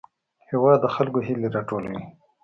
هېواد د خلکو هیلې راټولوي.